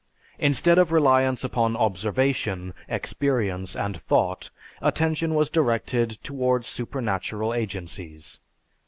Instead of reliance upon observation, experience, and thought, attention was directed toward supernatural agencies.